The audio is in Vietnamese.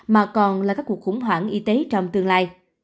mà còn là các cuộc khủng hoảng y tế trong tương lai